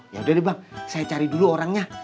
yaudah deh bang saya cari dulu orangnya